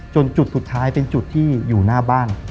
จุดสุดท้ายเป็นจุดที่อยู่หน้าบ้าน